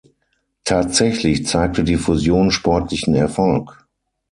Tatsächlich zeigte die Fusion sportlichen Erfolg.